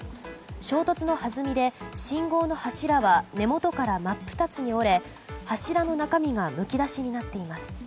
衝突の弾みで信号の柱は根元から真っ二つに折れ柱の中身がむき出しになっています。